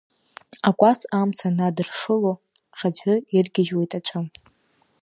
Акәац амца надыршыло, ҽаӡәы иргьежьуеит аҵәы.